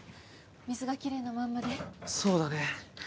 水がきれいなまんまでそうだね